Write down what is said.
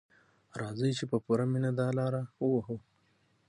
راځئ چې په پوره مینه دا لاره ووهو.